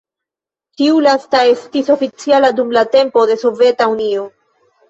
Tiu lasta estis oficiala dum la tempo de Soveta Unio.